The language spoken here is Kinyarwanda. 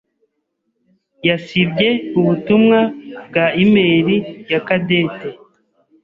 yasibye ubutumwa bwa imeri ya Cadette.